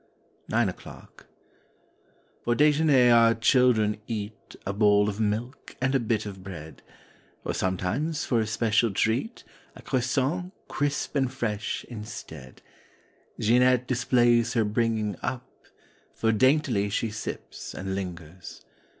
9 NINE O'CLOCK F or dejemier our children eat A bowl of milk and bit of bread; Or sometimes, for a special treat, A croissant, crisp and fresh, instead. Jeanette displays her bringing up. For daintily she sips and lingers.